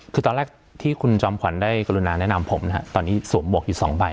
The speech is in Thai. คือตอนแรกที่คุณจอมขวัญได้กรุณาแนะนำผมนะครับตอนนี้สวมหวกอยู่๒ใบ